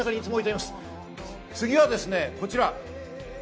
次はこちらです。